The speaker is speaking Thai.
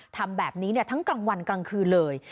ทำแบบนี้ทั้งกลางวันกลางคืนเลย